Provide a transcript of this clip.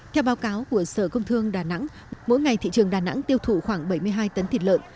theo báo cáo của sở công thương đà nẵng mỗi ngày thị trường đà nẵng tiêu thụ khoảng bảy mươi hai tấn thịt lợn